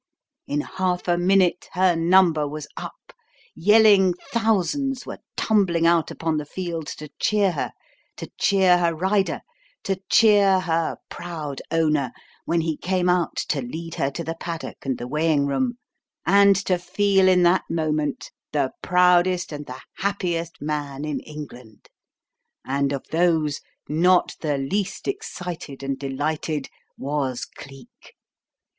In half a minute her number was up, yelling thousands were tumbling out upon the field to cheer her, to cheer her rider, to cheer her proud owner when he came out to lead her to the paddock and the weighing room, and to feel in that moment the proudest and the happiest man in England; and of those, not the least excited and delighted was Cleek.